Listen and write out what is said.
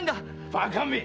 バカめ！